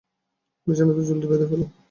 বিছানাতে জলদি বেঁধে ফেল।